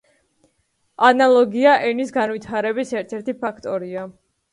ანალოგია ენის განვითარების ერთ-ერთი ფაქტორია.